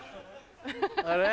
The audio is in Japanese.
あれ？